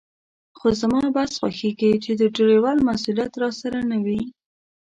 خو زما بس خوښېږي چې د ډریور مسوولیت راسره نه وي.